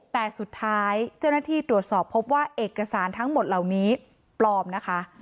แต่สุดท้ายเจ้าหน้าที่ตรวจสอบพบว่าเอกสารทั้งหมดเหล่านี้ปลอมนะคะ